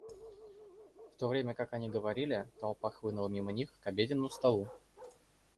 В то время как они говорили, толпа хлынула мимо них к обеденному столу.